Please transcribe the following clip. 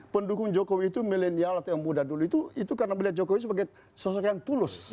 pendukung jokowi itu milenial atau yang muda dulu itu karena melihat jokowi sebagai sosok yang tulus